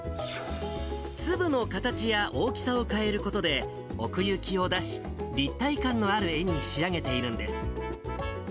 つぶの形や大きさを変えることで、奥行きを出し、立体感のある絵に仕上げているんです。